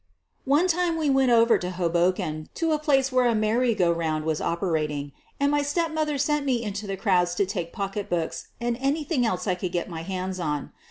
One time we went over to Hoboken to a place where a merry go round was operating, and my step mother sent me into the crowds to take pocketbooks and anything else I could put my hands on.